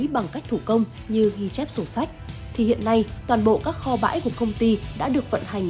bằng cách thủ công như ghi chép sổ sách thì hiện nay toàn bộ các kho bãi của công ty đã được vận hành